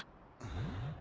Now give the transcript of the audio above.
うん。